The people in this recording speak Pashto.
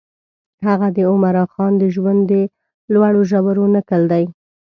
هغه د عمرا خان د ژوند د لوړو ژورو نکل دی.